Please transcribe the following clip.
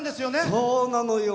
そうなのよ。